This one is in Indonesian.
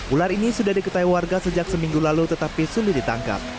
ular ini sudah diketahui warga sejak seminggu lalu tetapi sulit ditangkap